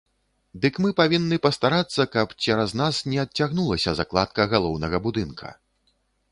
Дык мы павінны пастарацца, каб цераз нас не адцягнулася закладка галоўнага будынка.